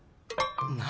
何？